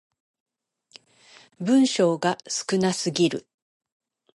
文章が少なすぎる